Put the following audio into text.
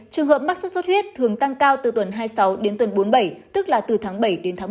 trường hợp mắc xuất xuất huyết thường tăng cao từ tuần hai mươi sáu đến tuần bốn mươi bảy tức là từ tháng bảy đến tháng một mươi một